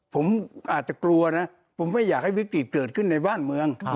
ผมอาจจะกลัวนะผมไม่อยากให้วิกฤตเกิดขึ้นในบ้านเมือง